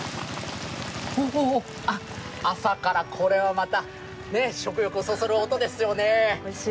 朝からこれはまた、食欲をそそる音ですよね。